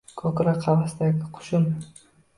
Ko‘krak-qafasdagi — qushim